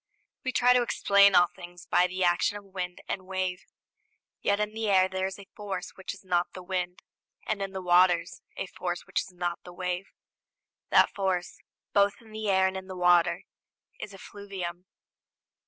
We try to explain all things by the action of wind and wave; yet in the air there is a force which is not the wind, and in the waters a force which is not the wave. That force, both in the air and in the water, is effluvium.